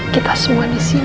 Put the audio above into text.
kita semua disini